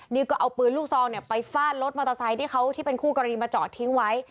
นี่ก็เอาปืนลูกซองเนี่ยไปฟาดรถมอเตอร์ไซค์ที่เขาที่เป็นคู่กรณีมาจอดทิ้งไว้